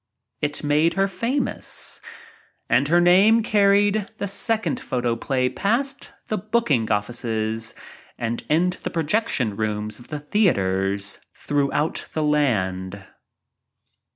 It made her famous. And her name carried the second photoplay past the booking offices and into the pro jection rooms of the theaters throughout the land.